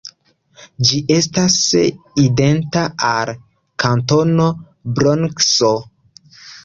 Ĝi estas identa al Kantono Bronkso.